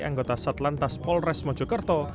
anggota satlantas polres mojokerto